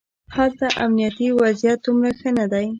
هلته امنیتي وضعیت دومره ښه نه دی.